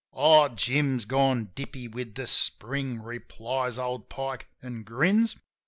"Oh, Jim's gone dippy with the Spring" ; replies old Pike an' grins.